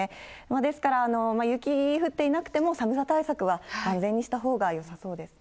ですから、雪降っていなくても、寒さ対策は万全にしたほうがよさそうですね。